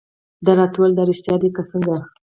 دې راته وویل: دا رېښتیا دي که څنګه؟